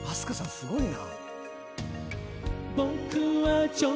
すごいな。